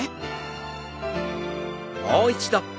もう一度。